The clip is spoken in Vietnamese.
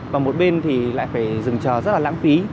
và một bên thì lại phải dừng chờ rất là lãng phí